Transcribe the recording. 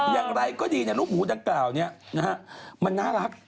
อย่างไรก็ดีเนี่ยลูกหมูดำเปล่าเนี่ยมันน่ารัก